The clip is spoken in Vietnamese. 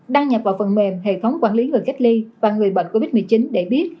đăng nhập vào phần mềm hệ thống quản lý người cách ly và người bệnh covid một mươi chín để biết